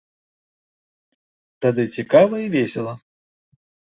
Тады цікава і весела.